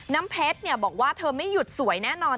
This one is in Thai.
น้ำเพชรบอกว่าเธอไม่หยุดสวยแน่นอน